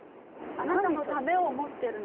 あなたのためを思ってるの。